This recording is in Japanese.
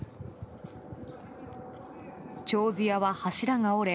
ちょうず舎は柱が折れ